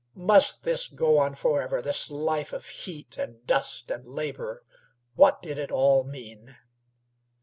Must this go on forever, this life of heat and dust and labor? What did it all mean?